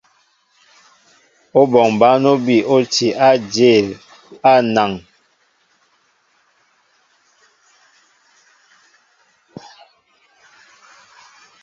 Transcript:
Óbɔŋ bǎn óbi ó tí á ajěl á anaŋ.